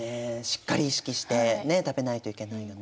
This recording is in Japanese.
しっかり意識して食べないといけないよね。